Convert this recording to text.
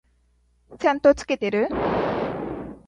ちゃんと付けてる？